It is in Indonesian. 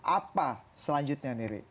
apa selanjutnya nih ri